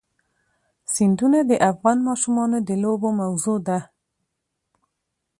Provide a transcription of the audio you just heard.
سیندونه د افغان ماشومانو د لوبو موضوع ده.